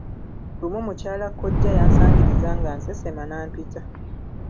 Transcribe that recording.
Lumu mukyala kkojja yansangiriza nga nsesema n'ampita.